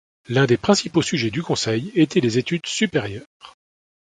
L'un des principaux sujets du conseil était les études supérieures.